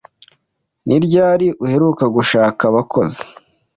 Ni ryari uheruka gushaka abakozi?